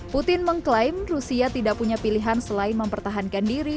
putin mengklaim rusia tidak punya pilihan selain mempertahankan diri